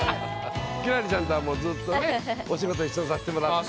輝星ちゃんとはもうずっとねお仕事一緒にさせてもらって。